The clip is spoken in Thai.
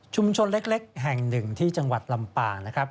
เล็กแห่งหนึ่งที่จังหวัดลำปางนะครับ